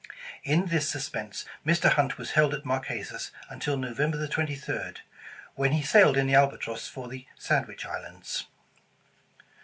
In this suspense, Mr. Hunt was held at Marquesas until November 23rd, when he sailed in the Albatross for the Sandwich Is lands.